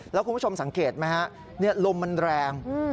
แล้วคุณผู้ชมสังเกตไหมฮะลมมันแรง